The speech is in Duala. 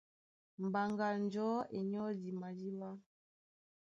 Mbaŋga njɔ̌ e nyɔ́di madíɓá.